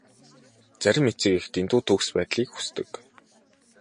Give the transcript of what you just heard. Зарим эцэг эх дэндүү төгс байдлыг хүсдэг.